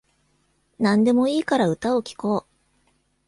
なんでもいいから歌を聴こう